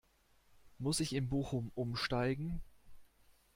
Muss ich in Bochum umsteigen?